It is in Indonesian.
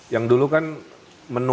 yang dulu kan menunggu